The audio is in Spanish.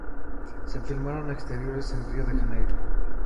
Se filmaron exteriores en Río de Janeiro.